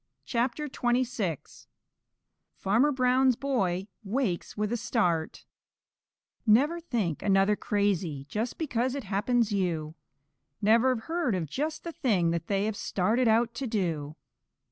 CHAPTER XXVI FARMER BROWN'S BOY WAKES WITH A START Never think another crazy just because it happens you Never've heard of just the thing that they have started out to do.